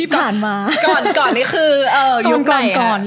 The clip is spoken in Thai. ก่อนก่อนนี่คือยุคนไหน